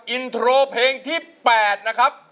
อินโทรเพลงที่๘นะครับ